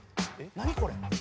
何これ？